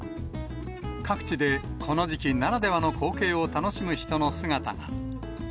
各地でこの時期ならではの光景を楽しむ人の姿が。